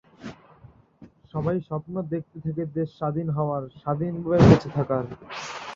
সবাই স্বপ্ন দেখতে থাকে দেশ স্বাধীন হওয়ার, স্বাধীনভাবে বেঁচে থাকার।